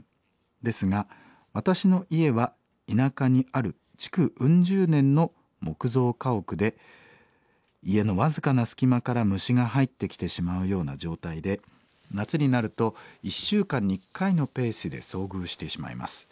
ですが私の家は田舎にある築うん十年の木造家屋で家の僅かな隙間から虫が入ってきてしまうような状態で夏になると１週間に１回のペースで遭遇してしまいます。